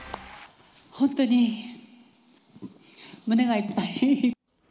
本当に胸がいっぱい。